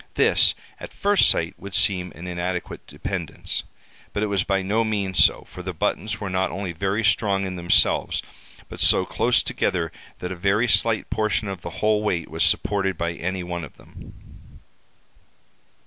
This, at first sight, would seem an inadequate dependence; but it was by no means so, for the buttons were not only very strong in themselves, but so close together that a very slight portion of the whole weight was supported by any one of them.